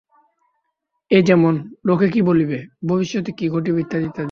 এই যেমন, লোকে কী বলিবে, ভবিষ্যতে কী ঘটিবে ইত্যাদি ইত্যাদি।